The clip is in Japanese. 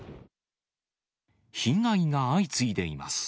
被害が相次いでいます。